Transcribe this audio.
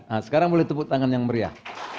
nah sekarang boleh tepuk tangan yang meriah